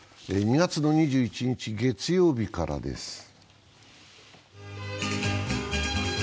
２月２１日月曜日からです。